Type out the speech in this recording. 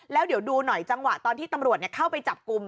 แล้วเดี๋ยวดูหน่อยจังหวะตอนที่ตำรวจเข้าไปจับกลุ่ม